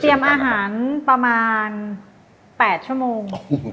เตรียมอาหารประมาณ๘ชั่วโมง